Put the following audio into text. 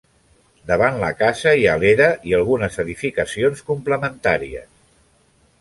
Davant la casa hi ha l'era i algunes edificacions complementàries.